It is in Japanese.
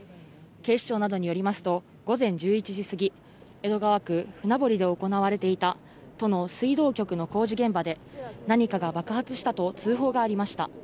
警視庁などによりますと、午前１１時過ぎ、江戸川区船堀で行われていた都の水道局の工事現場で、何かが爆発したと通報がありました。